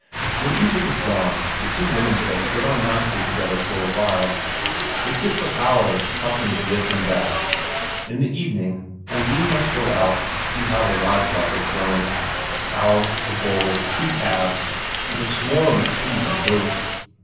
When Isak is gone, the two womenfolk get on nicely together for a while; they sit for hours talking of this and that. In the evening, Oline must go out and see how their live stock has grown: cows, a bull, two calves, and a swarm of sheep and goats.